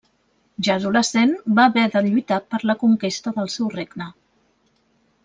Ja adolescent, va haver de lluitar per la conquesta del seu regne.